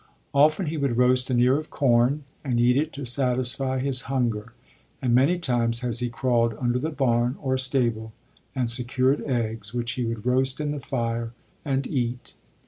Often he would roast an ear of corn and eat it to satisfy his hunger, and many times has he crawled under the barn or stable and secured eggs, which he would roast in the fire and eat.